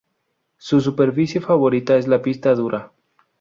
Su superficie favorita es la pista dura.